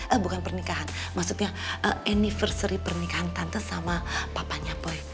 eh bukan pernikahan maksudnya anniversary pernikahan tante sama papanya poi